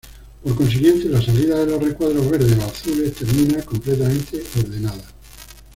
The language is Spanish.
Por consiguiente, la salida de los recuadros verdes o azules termina completamente ordenada.